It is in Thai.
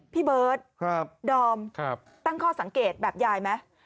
พี่เบิร์ตดอมตั้งข้อสังเกตแบบยายไหม